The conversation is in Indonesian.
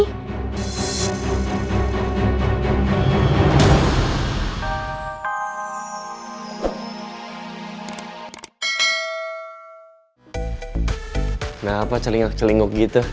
kenapa celing celinguk celinguk gitu